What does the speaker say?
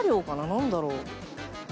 何だろう？